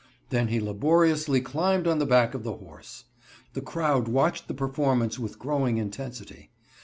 Then he laboriously climbed on the back of the horse. The crowd watched the performance with growing intensity.